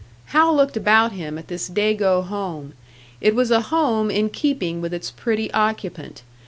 Hal looked about him at this Dago home. It was a tome in keeping with its pretty occupant.